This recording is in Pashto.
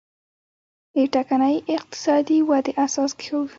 د ټکنۍ اقتصادي ودې اساس کېښود.